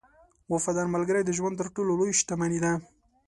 • وفادار ملګری د ژوند تر ټولو لوی شتمنۍ ده.